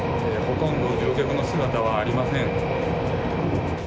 ほとんど乗客の姿はありません。